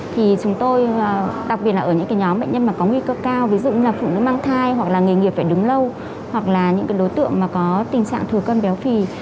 thì chúng tôi đặc biệt là ở những nhóm bệnh nhân có nguy cơ cao ví dụ như phụ nữ mang thai hoặc là nghề nghiệp phải đứng lâu hoặc là những đối tượng có tình trạng thừa cân béo phì